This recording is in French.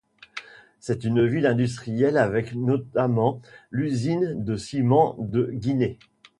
C'est une ville industrielle avec notamment l'usine de ciment de Guinée.